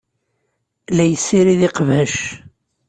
La yessirid iqbac.